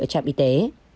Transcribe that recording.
ở trạm y tế